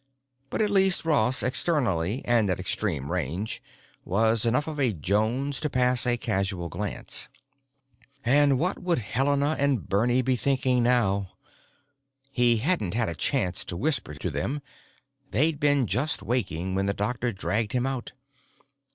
But at least Ross, externally and at extreme range, was enough of a Jones to pass a casual glance. And what would Helena and Bernie be thinking now? He hadn't had a chance to whisper to them; they'd been just waking when the doctor dragged him out.